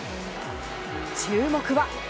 注目は。